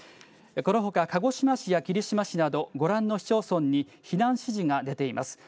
このほか、鹿児島市や霧島市など、ご覧の市町村に避難指示が出ています。